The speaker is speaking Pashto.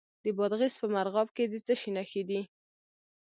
د بادغیس په مرغاب کې د څه شي نښې دي؟